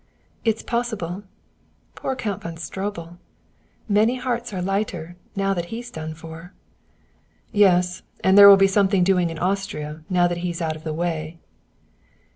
"It's possible. Poor Count von Stroebel! Many hearts are lighter, now that he's done for." "Yes; and there will be something doing in Austria, now that he's out of the way."